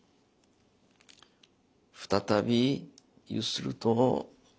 再び揺すると。